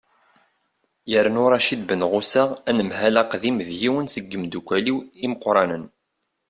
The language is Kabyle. yernu racid benɣusa anemhal aqdim d yiwen seg yimeddukkal-iw imeqqranen